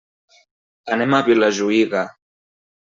Anem a Vilajuïga.